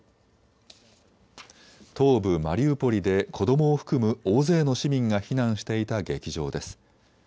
東部マリウポリで子どもを含む大勢の市民が避難していた劇場です。